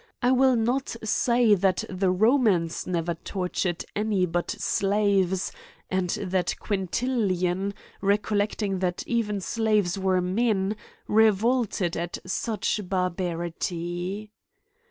I will not say that the Romans never tortured any but slaves ; and, that Quintilian, recollecting that even slaves were men, revolted at such barbarity.